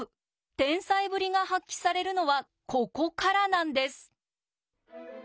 天才ぶりが発揮されるのはここからなんです。